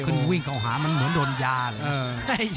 มันลุกขึ้นวิ่งเกาะหาเหมือนโดนยาเลย